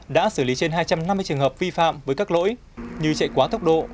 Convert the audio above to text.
đã xử lý trên hai trăm năm mươi trường hợp vi phạm với các lỗi như chạy quá thấp